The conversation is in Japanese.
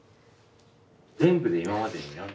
全部で今までに何点？